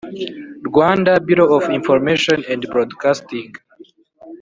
Rwanda Bureau of Information and Broadcasting